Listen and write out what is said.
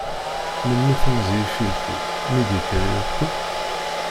Melmi temẓi ifilku, mi d-ikker irekku?